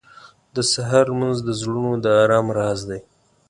• د سهار لمونځ د زړونو د ارام راز دی.